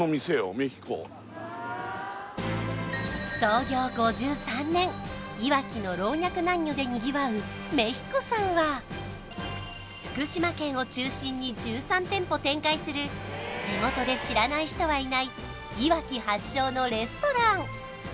メヒコいわきの老若男女でにぎわうメヒコさんは福島県を中心に１３店舗展開する地元で知らない人はいないいわき発祥のレストラン